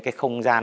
cái không gian